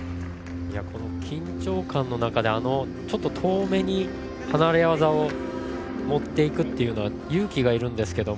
緊張感の中で遠めに離れ技を持っていくというのは勇気がいるんですけど。